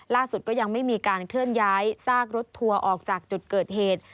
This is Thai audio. ก็ยังไม่มีการเคลื่อนย้ายซากรถทัวร์ออกจากจุดเกิดเหตุ